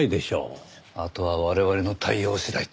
あとは我々の対応次第と。